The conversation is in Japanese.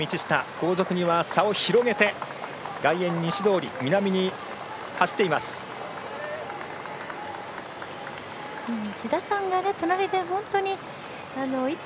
後続に差を広げて外苑西通り、南に走っています。